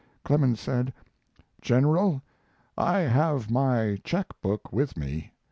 ] Clemens said: "General, I have my check book with me.